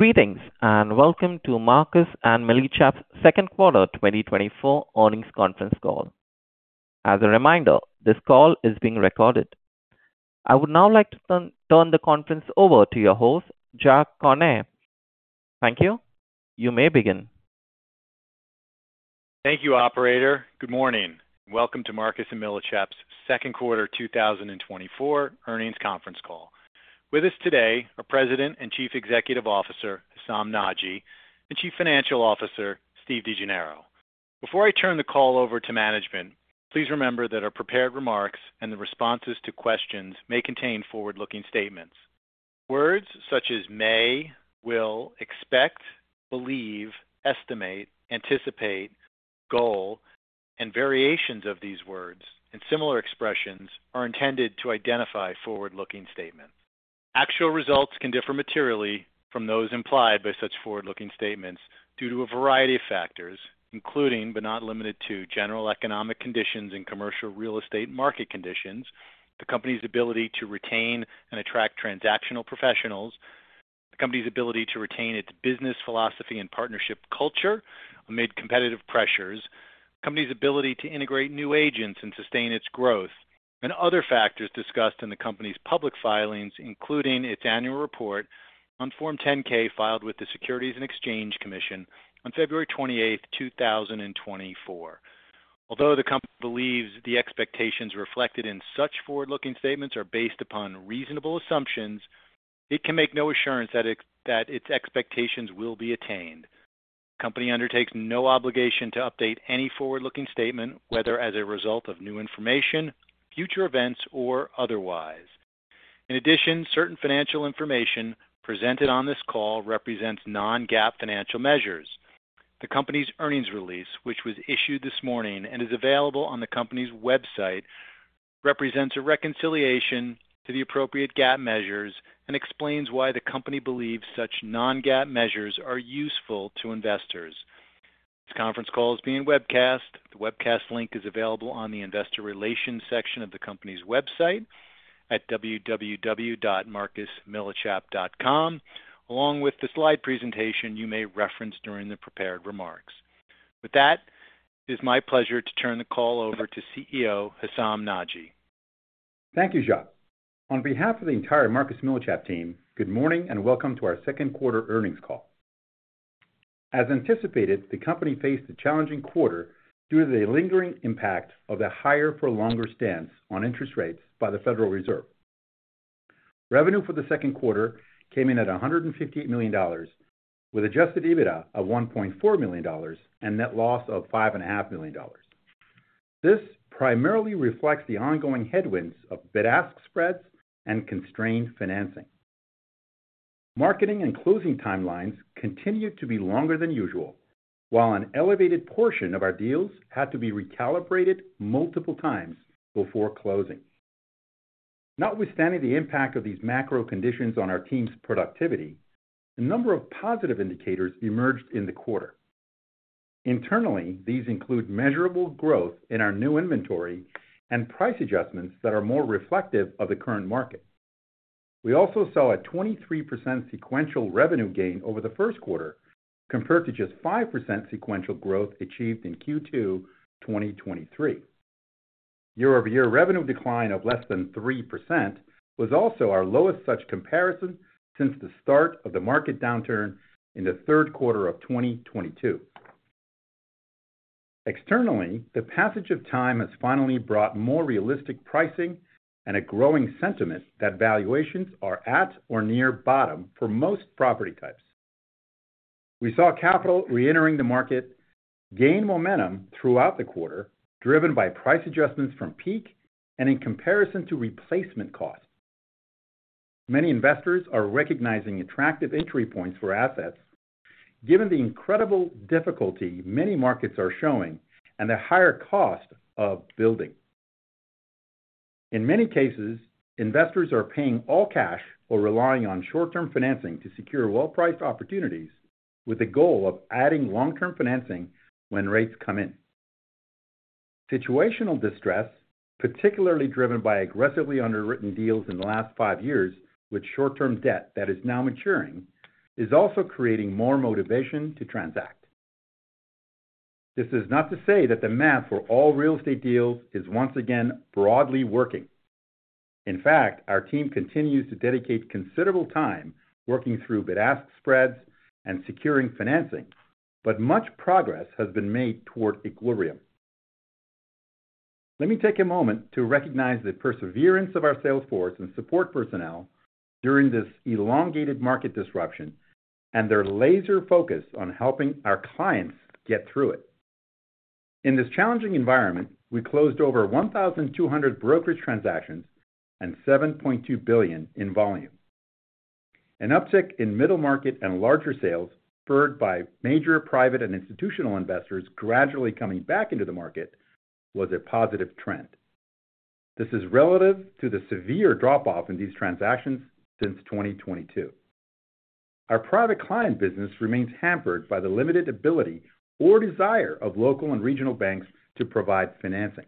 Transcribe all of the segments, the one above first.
Greetings, and welcome to Marcus & Millichap's second quarter 2024 earnings conference call. As a reminder, this call is being recorded. I would now like to turn the conference over to your host, Jacques Cornet. Thank you. You may begin. Thank you, operator. Good morning, and welcome to Marcus & Millichap's second quarter 2024 earnings conference call. With us today are President and Chief Executive Officer Hessam Nadji and Chief Financial Officer Steve DeGennaro. Before I turn the call over to management, please remember that our prepared remarks and the responses to questions may contain forward-looking statements. Words such as may, will, expect, believe, estimate, anticipate, goal, and variations of these words, and similar expressions are intended to identify forward-looking statements. Actual results can differ materially from those implied by such forward-looking statements due to a variety of factors, including, but not limited to, general economic conditions and commercial real estate market conditions, the company's ability to retain and attract transactional professionals, the company's ability to retain its business philosophy and partnership culture amid competitive pressures, the company's ability to integrate new agents and sustain its growth, and other factors discussed in the company's public filings, including its annual report on Form 10-K, filed with the Securities and Exchange Commission on February 28, 2024. Although the company believes the expectations reflected in such forward-looking statements are based upon reasonable assumptions, it can make no assurance that its expectations will be attained. The company undertakes no obligation to update any forward-looking statement, whether as a result of new information, future events, or otherwise. In addition, certain financial information presented on this call represents non-GAAP financial measures. The company's earnings release, which was issued this morning and is available on the company's website, represents a reconciliation to the appropriate GAAP measures and explains why the company believes such non-GAAP measures are useful to investors. This conference call is being webcast. The webcast link is available on the investor relations section of the company's website at www.marcusmillichap.com, along with the slide presentation you may reference during the prepared remarks. With that, it is my pleasure to turn the call over to CEO, Hessam Nadji. Thank you, Jacques. On behalf of the entire Marcus & Millichap team, good morning and welcome to our second quarter earnings call. As anticipated, the company faced a challenging quarter due to the lingering impact of the higher for longer stance on interest rates by the Federal Reserve. Revenue for the second quarter came in at $158 million, with Adjusted EBITDA of $1.4 million, and net loss of $5.5 million. This primarily reflects the ongoing headwinds of bid-ask spreads and constrained financing. Marketing and closing timelines continued to be longer than usual, while an elevated portion of our deals had to be recalibrated multiple times before closing. Notwithstanding the impact of these macro conditions on our team's productivity, a number of positive indicators emerged in the quarter. Internally, these include measurable growth in our new inventory and price adjustments that are more reflective of the current market. We also saw a 23% sequential revenue gain over the first quarter, compared to just 5% sequential growth achieved in Q2 2023. Year-over-year revenue decline of less than 3% was also our lowest such comparison since the start of the market downturn in the third quarter of 2022. Externally, the passage of time has finally brought more realistic pricing and a growing sentiment that valuations are at or near bottom for most property types. We saw capital reentering the market gain momentum throughout the quarter, driven by price adjustments from peak and in comparison to replacement costs. Many investors are recognizing attractive entry points for assets, given the incredible difficulty many markets are showing and the higher cost of building. In many cases, investors are paying all cash or relying on short-term financing to secure well-priced opportunities, with the goal of adding long-term financing when rates come in. Situational distress, particularly driven by aggressively underwritten deals in the last 5 years with short-term debt that is now maturing, is also creating more motivation to transact. This is not to say that the math for all real estate deals is once again broadly working. In fact, our team continues to dedicate considerable time working through bid-ask spreads and securing financing, but much progress has been made toward equilibrium. Let me take a moment to recognize the perseverance of our sales force and support personnel during this elongated market disruption, and their laser focus on helping our clients get through it. In this challenging environment, we closed over 1,200 brokerage transactions and $7.2 billion in volume. An uptick in middle market and larger sales, referred by major private and institutional investors gradually coming back into the market, was a positive trend. This is relative to the severe drop-off in these transactions since 2022. Our private client business remains hampered by the limited ability or desire of local and regional banks to provide financing.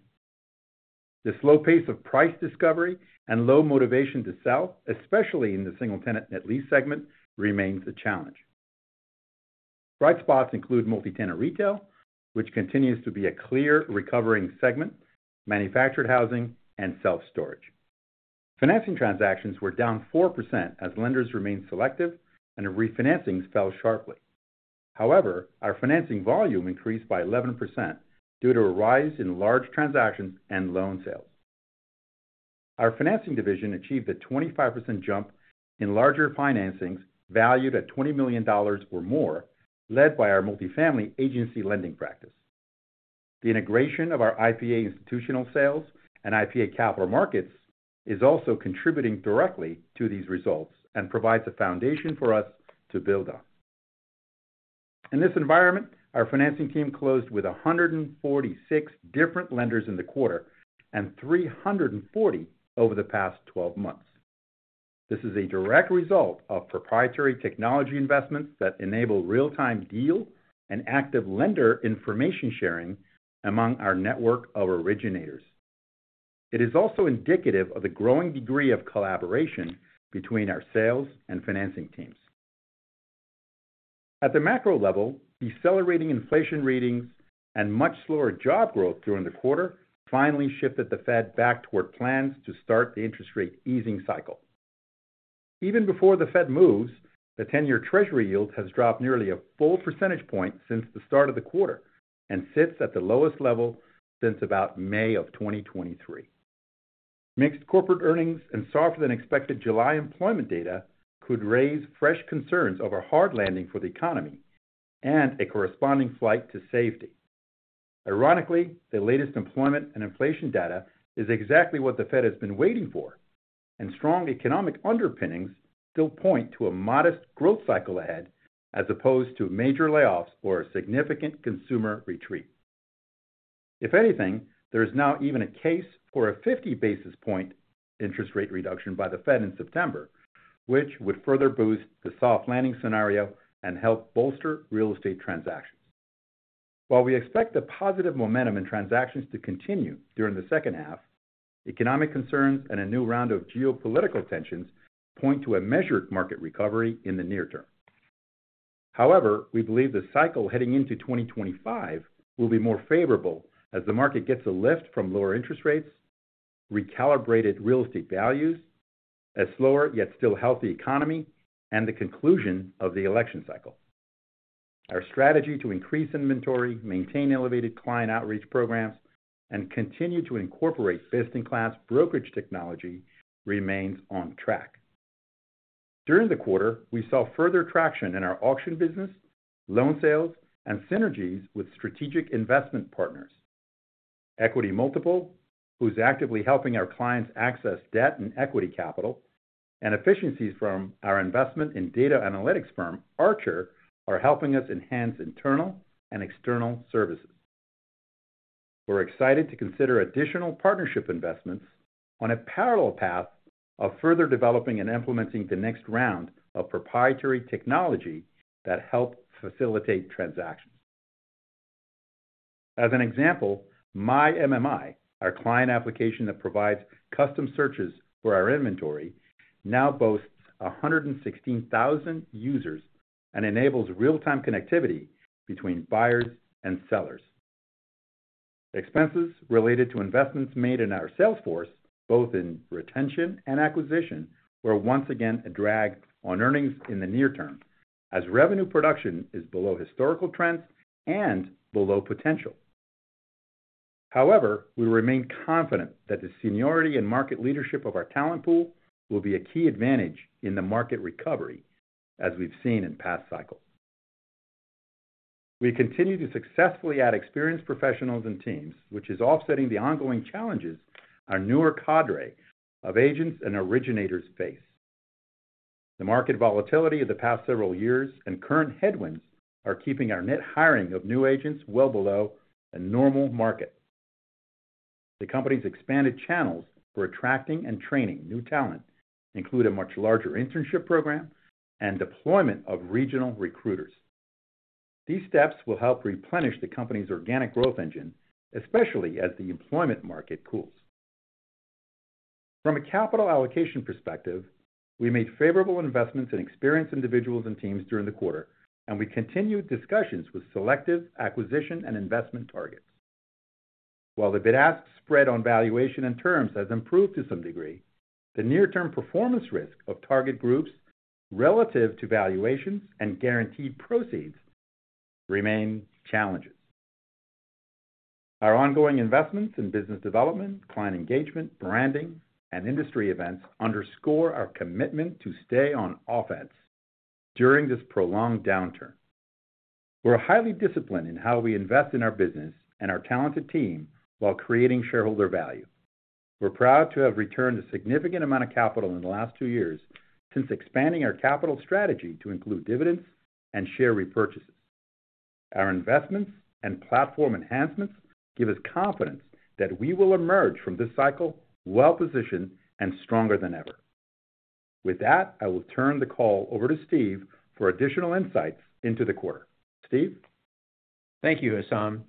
The slow pace of price discovery and low motivation to sell, especially in the single-tenant net lease segment, remains a challenge. Bright spots include multi-tenant retail, which continues to be a clear recovering segment, manufactured housing, and self-storage. Financing transactions were down 4% as lenders remained selective and refinancings fell sharply. However, our financing volume increased by 11% due to a rise in large transactions and loan sales. Our financing division achieved a 25% jump in larger financings, valued at $20 million or more, led by our multifamily agency lending practice. The integration of our IPA institutional sales and IPA capital markets is also contributing directly to these results and provides a foundation for us to build on. In this environment, our financing team closed with 146 different lenders in the quarter and 340 over the past 12 months. This is a direct result of proprietary technology investments that enable real-time deal and active lender information sharing among our network of originators. It is also indicative of the growing degree of collaboration between our sales and financing teams. At the macro level, decelerating inflation readings and much slower job growth during the quarter finally shifted the Fed back toward plans to start the interest rate easing cycle. Even before the Fed moves, the 10-year Treasury yield has dropped nearly a full percentage point since the start of the quarter and sits at the lowest level since about May of 2023. Mixed corporate earnings and softer-than-expected July employment data could raise fresh concerns over hard landing for the economy and a corresponding flight to safety. Ironically, the latest employment and inflation data is exactly what the Fed has been waiting for, and strong economic underpinnings still point to a modest growth cycle ahead, as opposed to major layoffs or a significant consumer retreat. If anything, there is now even a case for a 50 basis point interest rate reduction by the Fed in September, which would further boost the soft landing scenario and help bolster real estate transactions. While we expect the positive momentum in transactions to continue during the second half, economic concerns and a new round of geopolitical tensions point to a measured market recovery in the near term. However, we believe the cycle heading into 2025 will be more favorable as the market gets a lift from lower interest rates, recalibrated real estate values, a slower, yet still healthy economy, and the conclusion of the election cycle. Our strategy to increase inventory, maintain elevated client outreach programs, and continue to incorporate best-in-class brokerage technology remains on track. During the quarter, we saw further traction in our auction business, loan sales, and synergies with strategic investment partners. Equity Multiple, who's actively helping our clients access debt and equity capital, and efficiencies from our investment in data analytics firm, Archer, are helping us enhance internal and external services. We're excited to consider additional partnership investments on a parallel path of further developing and implementing the next round of proprietary technology that help facilitate transactions. As an example, MyMMI, our client application that provides custom searches for our inventory, now boasts 116,000 users and enables real-time connectivity between buyers and sellers. Expenses related to investments made in our sales force, both in retention and acquisition, were once again a drag on earnings in the near term, as revenue production is below historical trends and below potential. However, we remain confident that the seniority and market leadership of our talent pool will be a key advantage in the market recovery, as we've seen in past cycles. We continue to successfully add experienced professionals and teams, which is offsetting the ongoing challenges our newer cadre of agents and originators face. The market volatility of the past several years and current headwinds are keeping our net hiring of new agents well below a normal market. The company's expanded channels for attracting and training new talent include a much larger internship program and deployment of regional recruiters. These steps will help replenish the company's organic growth engine, especially as the employment market cools. From a capital allocation perspective, we made favorable investments in experienced individuals and teams during the quarter, and we continued discussions with selective acquisition and investment targets. While the bid-ask spread on valuation and terms has improved to some degree, the near-term performance risk of target groups relative to valuations and guaranteed proceeds remain challenges. Our ongoing investments in business development, client engagement, branding, and industry events underscore our commitment to stay on offense during this prolonged downturn. We're highly disciplined in how we invest in our business and our talented team while creating shareholder value. We're proud to have returned a significant amount of capital in the last two years since expanding our capital strategy to include dividends and share repurchases. Our investments and platform enhancements give us confidence that we will emerge from this cycle well-positioned and stronger than ever. With that, I will turn the call over to Steve for additional insights into the quarter. Steve? Thank you, Hessam.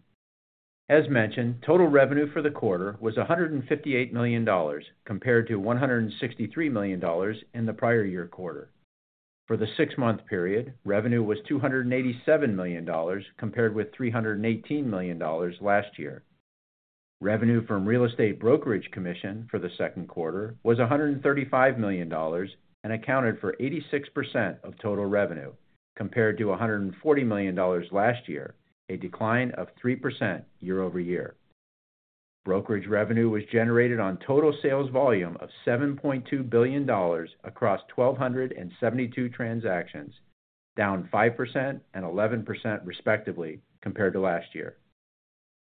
As mentioned, total revenue for the quarter was $158 million, compared to $163 million in the prior year quarter. For the 6-month period, revenue was $287 million, compared with $318 million last year. Revenue from real estate brokerage commission for the second quarter was $135 million and accounted for 86% of total revenue, compared to $140 million last year, a decline of 3% year-over-year. Brokerage revenue was generated on total sales volume of $7.2 billion across 1,272 transactions, down 5% and 11% respectively, compared to last year.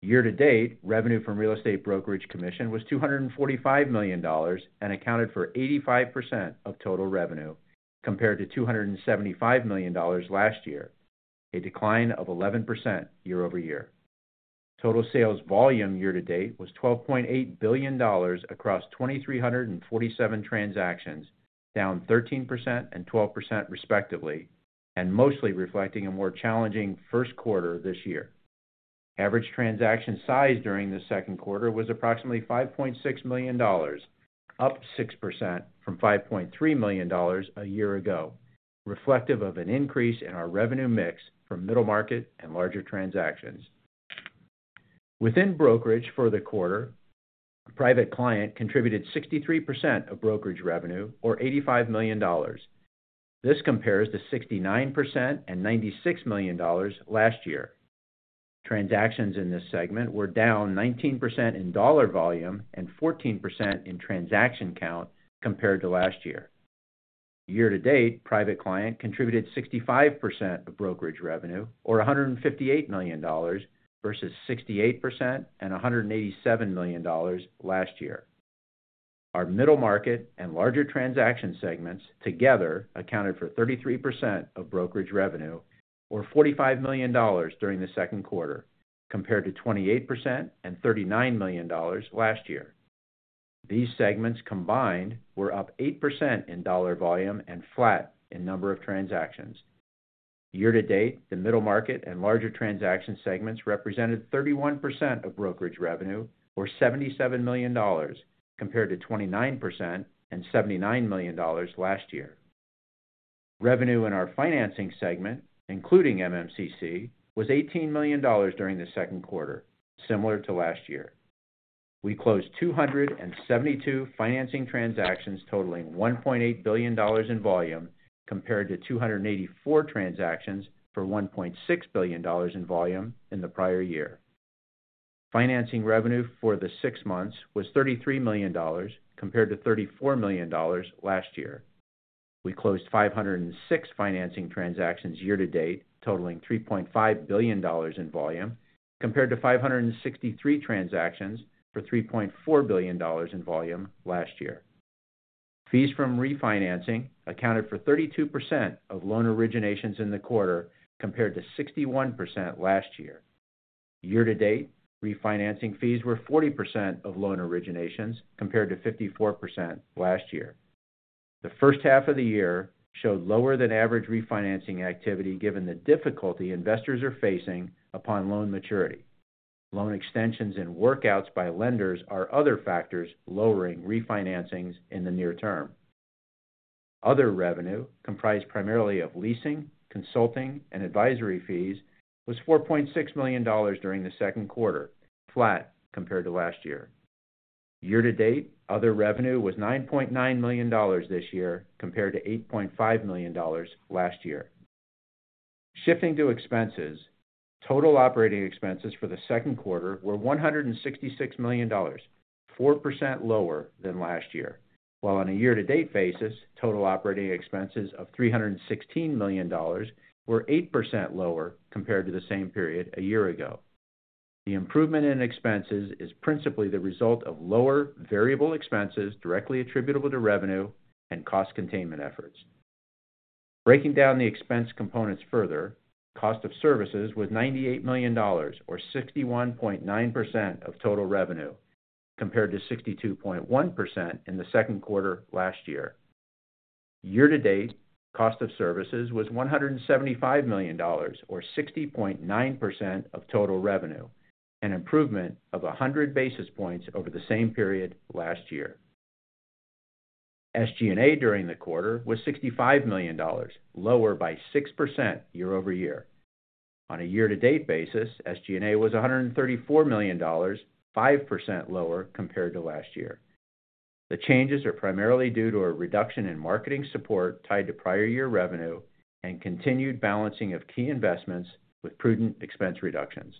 Year-to-date, revenue from real estate brokerage commission was $245 million and accounted for 85% of total revenue, compared to $275 million last year, a decline of 11% year-over-year. Total sales volume year-to-date was $12.8 billion across 2,347 transactions, down 13% and 12%, respectively, and mostly reflecting a more challenging first quarter this year. Average transaction size during the second quarter was approximately $5.6 million, up 6% from $5.3 million a year ago, reflective of an increase in our revenue mix from middle market and larger transactions. Within brokerage for the quarter, private client contributed 63% of brokerage revenue, or $85 million. This compares to 69% and $96 million last year. Transactions in this segment were down 19% in dollar volume and 14% in transaction count compared to last year. Year-to-date, private client contributed 65% of brokerage revenue, or $158 million, versus 68% and $187 million last year. Our middle market and larger transaction segments together accounted for 33% of brokerage revenue, or $45 million during the second quarter, compared to 28% and $39 million last year. These segments combined were up 8% in dollar volume and flat in number of transactions. Year-to-date, the middle market and larger transaction segments represented 31% of brokerage revenue, or $77 million, compared to 29% and $79 million last year. Revenue in our financing segment, including MMCC, was $18 million during the second quarter, similar to last year. We closed 272 financing transactions totaling $1.8 billion in volume, compared to 284 transactions for $1.6 billion in volume in the prior year. Financing revenue for the 6 months was $33 million, compared to $34 million last year. We closed 506 financing transactions year-to-date, totaling $3.5 billion in volume, compared to 563 transactions for $3.4 billion in volume last year. Fees from refinancing accounted for 32% of loan originations in the quarter, compared to 61% last year. Year-to-date, refinancing fees were 40% of loan originations, compared to 54% last year. The first half of the year showed lower than average refinancing activity, given the difficulty investors are facing upon loan maturity. Loan extensions and workouts by lenders are other factors lowering refinancing's in the near term. Other revenue, comprised primarily of leasing, consulting, and advisory fees, was $4.6 million during the second quarter, flat compared to last year. Year-to-date, other revenue was $9.9 million this year, compared to $8.5 million last year. Shifting to expenses, total operating expenses for the second quarter were $166 million, 4% lower than last year, while on a year-to-date basis, total operating expenses of $316 million were 8% lower compared to the same period a year ago. The improvement in expenses is principally the result of lower variable expenses directly attributable to revenue and cost containment efforts. Breaking down the expense components further, cost of services was $98 million, or 61.9% of total revenue, compared to 62.1% in the second quarter last year. Year-to-date, cost of services was $175 million, or 60.9% of total revenue, an improvement of 100 basis points over the same period last year. SG&A during the quarter was $65 million, lower by 6% year-over-year. On a year-to-date basis, SG&A was $134 million, 5% lower compared to last year. The changes are primarily due to a reduction in marketing support tied to prior year revenue and continued balancing of key investments with prudent expense reductions.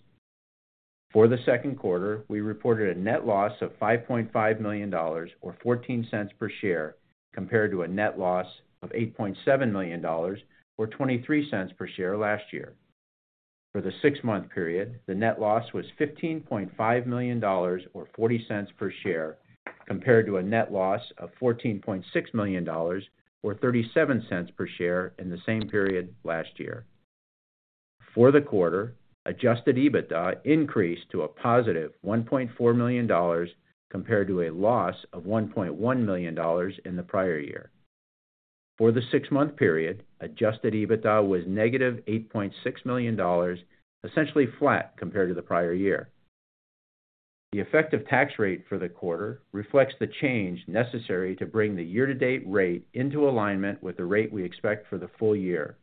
For the second quarter, we reported a net loss of $5.5 million or $0.14 per share, compared to a net loss of $8.7 million or $0.23 per share last year. For the 6-month period, the net loss was $15.5 million or $0.40 per share, compared to a net loss of $14.6 million or $0.37 per share in the same period last year. For the quarter, Adjusted EBITDA increased to a positive $1.4 million compared to a loss of $1.1 million in the prior year. For the 6-month period, Adjusted EBITDA was negative $8.6 million, essentially flat compared to the prior year. The effective tax rate for the quarter reflects the change necessary to bring the year-to-date rate into alignment with the rate we expect for the full year.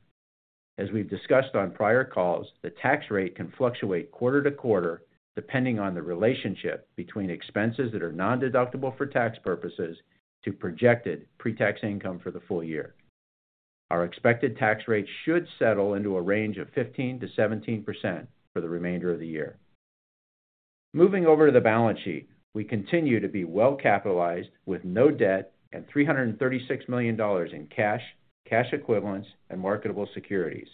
As we've discussed on prior calls, the tax rate can fluctuate quarter to quarter, depending on the relationship between expenses that are nondeductible for tax purposes to projected pre-tax income for the full year. Our expected tax rate should settle into a range of 15%-17% for the remainder of the year. Moving over to the balance sheet, we continue to be well capitalized, with no debt and $336 million in cash, cash equivalents, and marketable securities.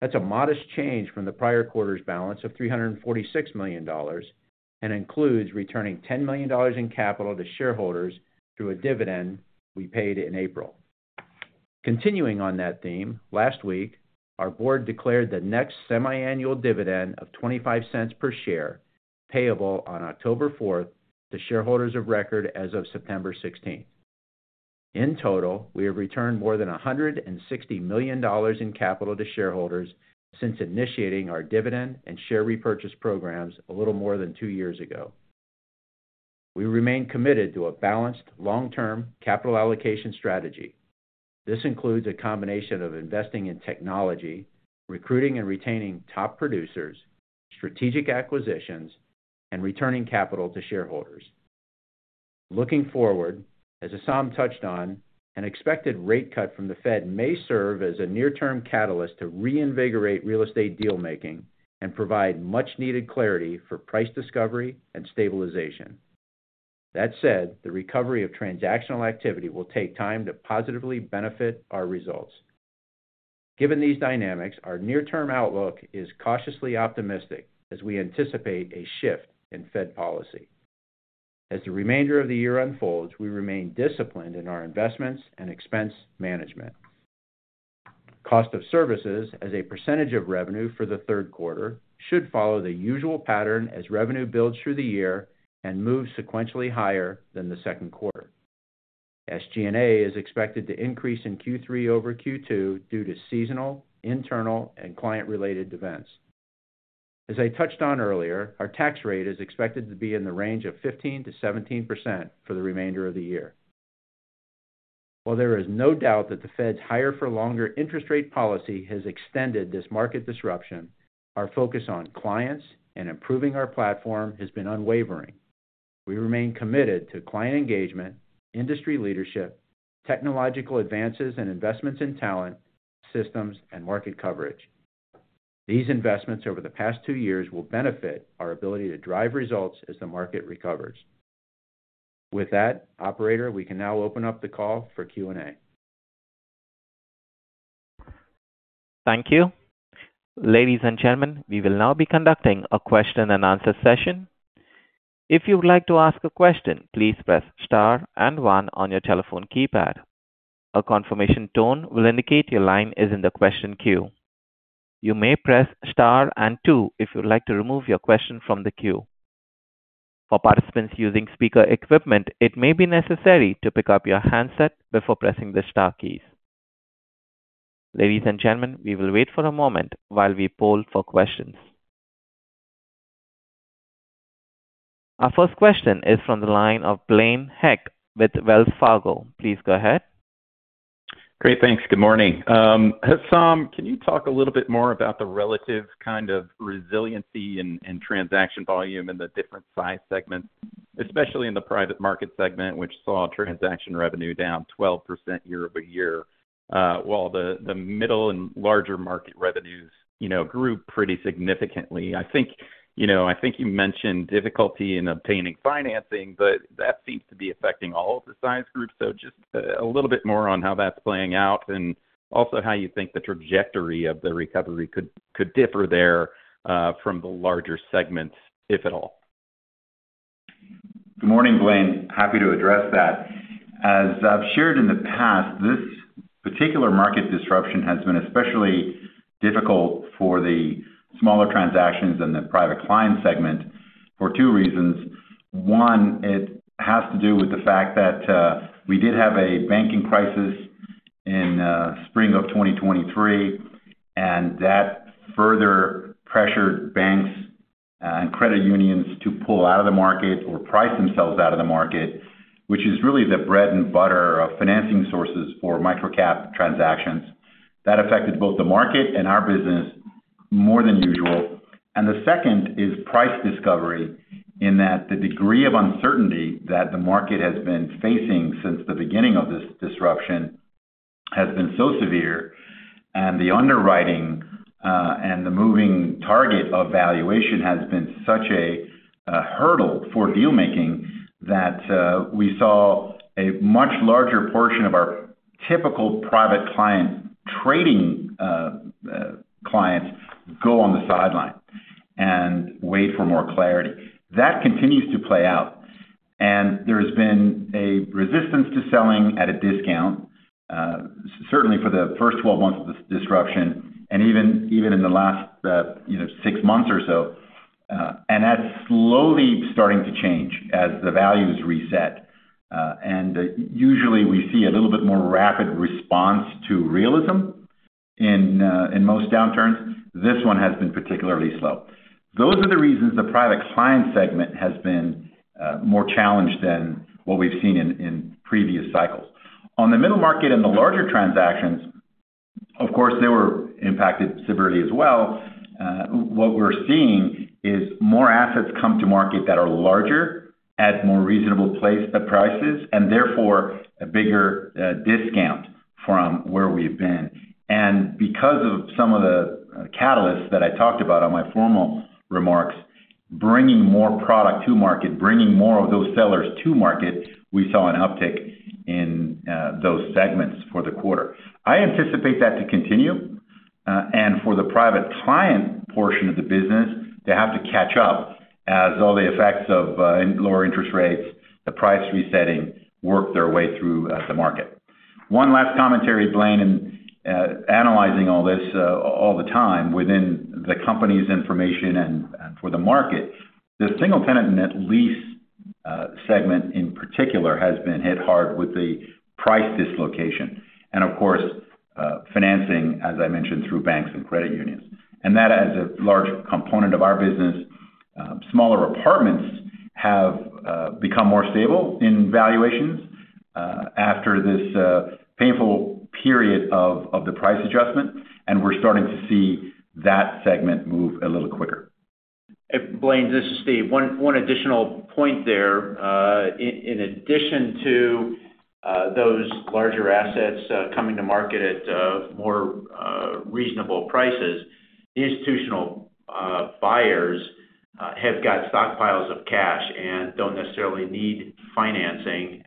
That's a modest change from the prior quarter's balance of $346 million and includes returning $10 million in capital to shareholders through a dividend we paid in April. Continuing on that theme, last week, our board declared the next semiannual dividend of $0.25 per share, payable on October fourth, to shareholders of record as of September 16. In total, we have returned more than $160 million in capital to shareholders since initiating our dividend and share repurchase programs a little more than two years ago. We remain committed to a balanced, long-term capital allocation strategy. This includes a combination of investing in technology, recruiting and retaining top producers, strategic acquisitions, and returning capital to shareholders. Looking forward, as Hessam touched on, an expected rate cut from the Fed may serve as a near-term catalyst to reinvigorate real estate deal-making and provide much-needed clarity for price discovery and stabilization. That said, the recovery of transactional activity will take time to positively benefit our results. Given these dynamics, our near-term outlook is cautiously optimistic as we anticipate a shift in Fed policy. As the remainder of the year unfolds, we remain disciplined in our investments and expense management. Cost of services as a percentage of revenue for the third quarter should follow the usual pattern as revenue builds through the year and move sequentially higher than the second quarter. SG&A is expected to increase in Q3 over Q2 due to seasonal, internal, and client-related events. As I touched on earlier, our tax rate is expected to be in the range of 15%-17% for the remainder of the year. While there is no doubt that the Fed's higher-for-longer interest rate policy has extended this market disruption, our focus on clients and improving our platform has been unwavering. We remain committed to client engagement, industry leadership, technological advances and investments in talent, systems, and market coverage. These investments over the past two years will benefit our ability to drive results as the market recovers. With that, operator, we can now open up the call for Q&A. Thank you. Ladies and gentlemen, we will now be conducting a question-and-answer session. If you would like to ask a question, please press star and one on your telephone keypad. A confirmation tone will indicate your line is in the question queue. You may press star and two if you would like to remove your question from the queue. For participants using speaker equipment, it may be necessary to pick up your handset before pressing the star keys. Ladies and gentlemen, we will wait for a moment while we poll for questions. Our first question is from the line of Blaine Heck with Wells Fargo. Please go ahead. Great. Thanks. Good morning. Hessam, can you talk a little bit more about the relative kind of resiliency and, and transaction volume in the different size segments, especially in the private client segment, which saw transaction revenue down 12% year-over-year, while the, the middle and larger market revenues, you know, grew pretty significantly? I think, you know, I think you mentioned difficulty in obtaining financing, but that seems to be affecting all of the size groups. So just, a little bit more on how that's playing out, and also how you think the trajectory of the recovery could, could differ there, from the larger segments, if at all. Good morning, Blaine. Happy to address that. As I've shared in the past, this particular market disruption has been especially difficult for the smaller transactions in the private client segment for 2 reasons. One, it has to do with the fact that we did have a banking crisis in spring of 2023, and that further pressured banks and credit unions to pull out of the market or price themselves out of the market, which is really the bread and butter of financing sources for microcap transactions. That affected both the market and our business more than usual. And the second is price discovery, in that the degree of uncertainty that the market has been facing since the beginning of this disruption has been so severe, and the underwriting and the moving target of valuation has been such a hurdle for deal making, that we saw a much larger portion of our typical Private Client trading clients go on the sideline. and wait for more clarity. That continues to play out, and there's been a resistance to selling at a discount, certainly for the first 12 months of this disruption, and even, even in the last, you know, 6 months or so. And that's slowly starting to change as the value is reset. And usually, we see a little bit more rapid response to realism in, in most downturns. This one has been particularly slow. Those are the reasons the private client segment has been, more challenged than what we've seen in, in previous cycles. On the middle market and the larger transactions, of course, they were impacted severely as well. What we're seeing is more assets come to market that are larger, at more reasonable prices, and therefore, a bigger discount from where we've been. And because of some of the catalysts that I talked about on my formal remarks, bringing more product to market, bringing more of those sellers to market, we saw an uptick in those segments for the quarter. I anticipate that to continue, and for the private client portion of the business, they have to catch up as all the effects of lower interest rates, the price resetting, work their way through the market. One last commentary, Blaine, and analyzing all this all the time within the company's information and for the market, the single-tenant net lease segment in particular has been hit hard with the price dislocation, and of course financing, as I mentioned, through banks and credit unions. And that is a large component of our business. Smaller apartments have become more stable in valuations after this painful period of the price adjustment, and we're starting to see that segment move a little quicker. Blaine, this is Steve. One additional point there. In addition to those larger assets coming to market at more reasonable prices, the institutional buyers have got stockpiles of cash and don't necessarily need financing.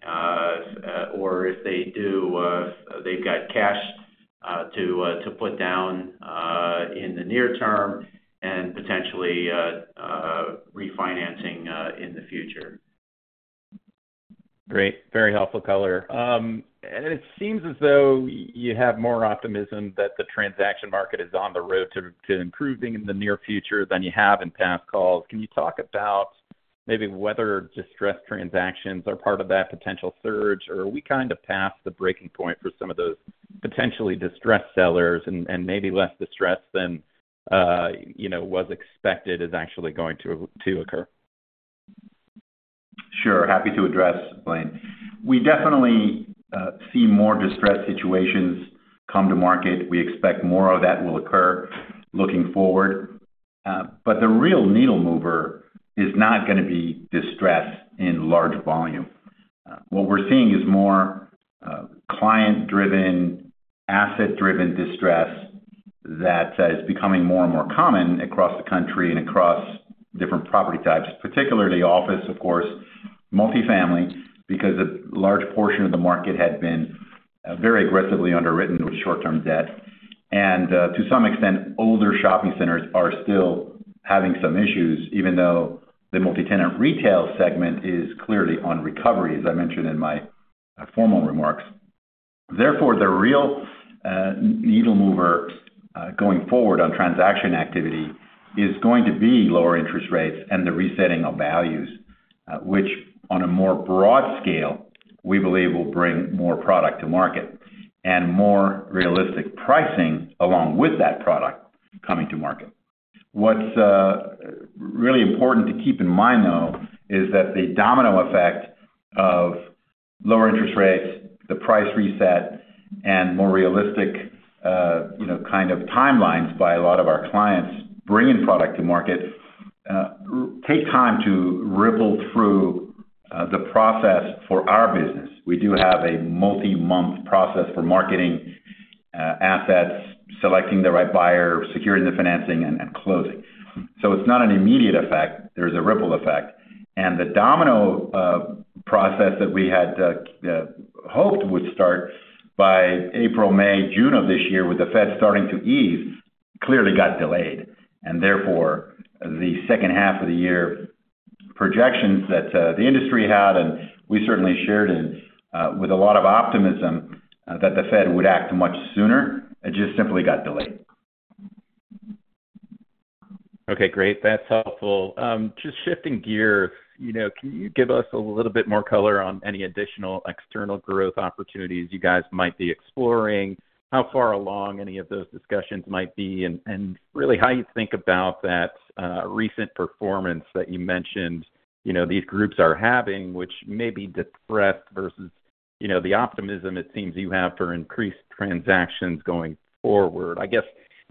Or if they do, they've got cash to put down in the near term, and potentially refinancing in the future. Great, very helpful color. And it seems as though you have more optimism that the transaction market is on the road to improving in the near future than you have in past calls. Can you talk about maybe whether distressed transactions are part of that potential surge, or are we kind of past the breaking point for some of those potentially distressed sellers, and maybe less distressed than you know was expected is actually going to occur? Sure, happy to address, Blaine. We definitely see more distressed situations come to market. We expect more of that will occur looking forward. But the real needle mover is not gonna be distress in large volume. What we're seeing is more client-driven, asset-driven distress that is becoming more and more common across the country and across different property types, particularly office, of course, multifamily, because a large portion of the market had been very aggressively underwritten with short-term debt. And to some extent, older shopping centers are still having some issues, even though the multi-tenant retail segment is clearly on recovery, as I mentioned in my formal remarks. Therefore, the real needle mover going forward on transaction activity is going to be lower interest rates and the resetting of values, which, on a more broad scale, we believe will bring more product to market and more realistic pricing along with that product coming to market. What's really important to keep in mind, though, is that the domino effect of lower interest rates, the price reset, and more realistic, you know, kind of timelines by a lot of our clients bringing product to market take time to ripple through the process for our business. We do have a multi-month process for marketing assets, selecting the right buyer, securing the financing, and closing. So it's not an immediate effect. There's a ripple effect. The domino process that we had hoped would start by April, May, June of this year, with the Fed starting to ease, clearly got delayed. And therefore, the second half of the year projections that the industry had, and we certainly shared in with a lot of optimism that the Fed would act much sooner, it just simply got delayed. Okay, great. That's helpful. Just shifting gear, you know, can you give us a little bit more color on any additional external growth opportunities you guys might be exploring? How far along any of those discussions might be, and really, how you think about that recent performance that you mentioned, you know, these groups are having, which may be depressed versus, you know, the optimism it seems you have for increased transactions going forward. I guess,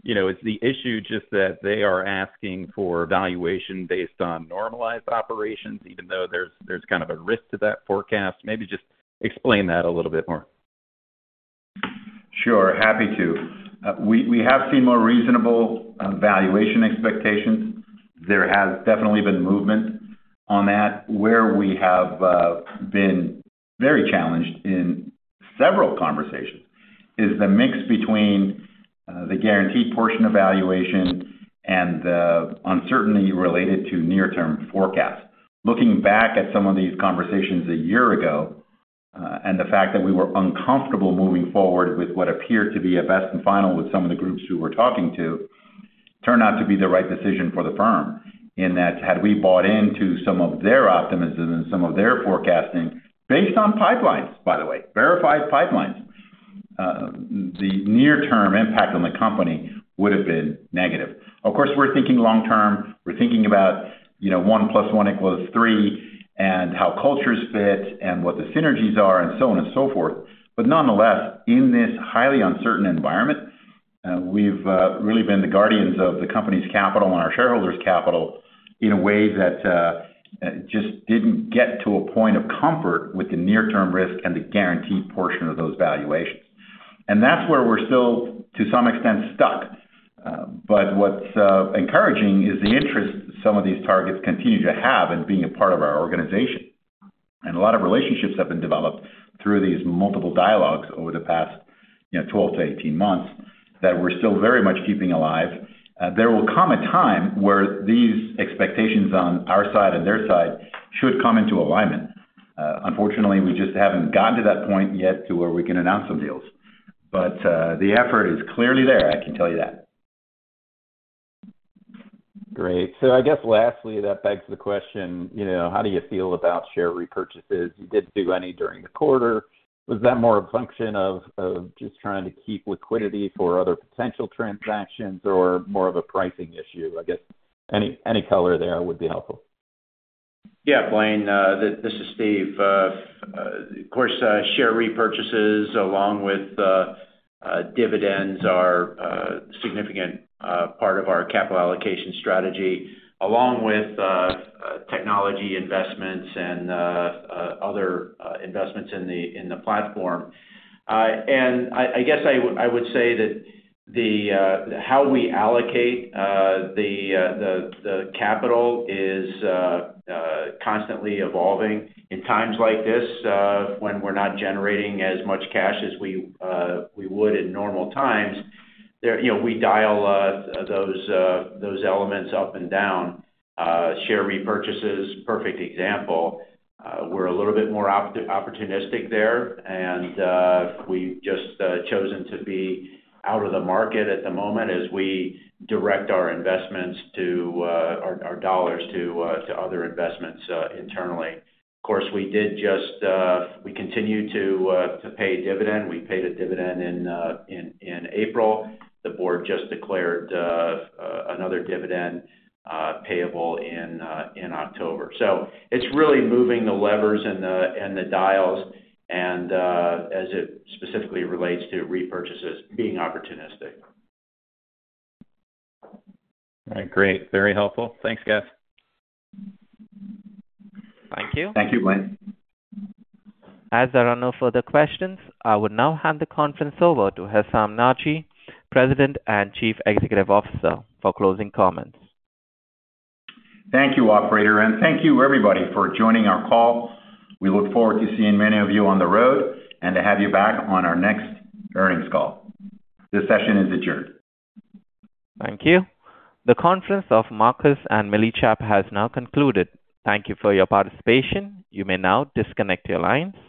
you know, is the issue just that they are asking for valuation based on normalized operations, even though there's kind of a risk to that forecast? Maybe just explain that a little bit more. Sure, happy to. We have seen more reasonable valuation expectations. There has definitely been movement on that, where we have been very challenged in several conversations is the mix between the guaranteed portion of valuation and the uncertainty related to near-term forecasts. Looking back at some of these conversations a year ago, and the fact that we were uncomfortable moving forward with what appeared to be a best and final with some of the groups who we're talking to, turned out to be the right decision for the firm. In that, had we bought into some of their optimism and some of their forecasting, based on pipelines, by the way, verified pipelines, the near-term impact on the company would have been negative. Of course, we're thinking long term. We're thinking about, you know, 1+1=3, and how cultures fit and what the synergies are, and so on and so forth. But nonetheless, in this highly uncertain environment, we've really been the guardians of the company's capital and our shareholders' capital in a way that just didn't get to a point of comfort with the near-term risk and the guaranteed portion of those valuations. And that's where we're still, to some extent, stuck. But what's encouraging is the interest some of these targets continue to have in being a part of our organization. And a lot of relationships have been developed through these multiple dialogues over the past, you know, 12-18 months, that we're still very much keeping alive. There will come a time where these expectations on our side and their side should come into alignment. Unfortunately, we just haven't gotten to that point yet to where we can announce some deals. But, the effort is clearly there, I can tell you that. Great. I guess lastly, that begs the question, you know, how do you feel about share repurchases? You didn't do any during the quarter. Was that more a function of just trying to keep liquidity for other potential transactions or more of a pricing issue? I guess, any color there would be helpful. Yeah, Blaine, this is Steve. Of course, share repurchases along with dividends are a significant part of our capital allocation strategy, along with technology investments and other investments in the platform. And I guess I would say that how we allocate the capital is constantly evolving. In times like this, when we're not generating as much cash as we would in normal times, you know, we dial those elements up and down. Share repurchases, perfect example. We're a little bit more opportunistic there, and we've just chosen to be out of the market at the moment as we direct our investments to our dollars to other investments internally. Of course, we just continue to pay dividend. We paid a dividend in April. The board just declared another dividend, payable in October. So it's really moving the levers and the dials, and as it specifically relates to repurchases being opportunistic. All right, great. Very helpful. Thanks, guys. Thank you. Thank you, Blaine. As there are no further questions, I would now hand the conference over to Hessam Nadji, President and Chief Executive Officer, for closing comments. Thank you, operator, and thank you, everybody, for joining our call. We look forward to seeing many of you on the road and to have you back on our next earnings call. This session is adjourned. Thank you. The conference of Marcus & Millichap has now concluded. Thank you for your participation. You may now disconnect your lines.